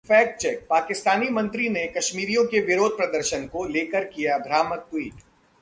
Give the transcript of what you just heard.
fact check: Pakistani मंत्री ने कश्मीरियों के विरोध प्रदर्शन को लेकर किया भ्रामक ट्वीट